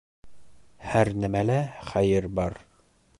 Һәр нәмәлә хәйер бар.